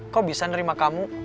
kok bisa nerima kamu